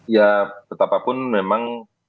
ya betapa pun memang